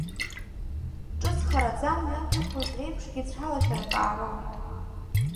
Ҿыц хараӡа мҩак иқәлоз реиԥшгьы цәалашәарак аароуит.